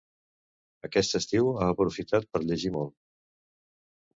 Aquest estiu he aprofitat per llegir molt.